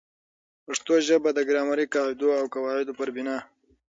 پښتو ژبه د ګرامري قاعدو او قوا عدو پر بناء